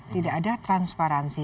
tidak ada transparansi